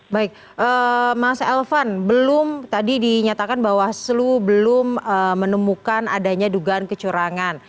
baik mas elvan belum tadi dinyatakan bawaslu belum menemukan adanya dugaan kecurangan